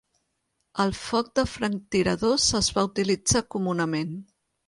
El foc de franctiradors es va utilitzar comunament.